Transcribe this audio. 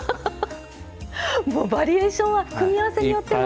バリエーションは組み合わせによっても。